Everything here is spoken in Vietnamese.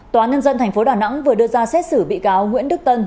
toán nhân dân thành phố đà nẵng vừa đưa ra xét xử bị cáo nguyễn đức tân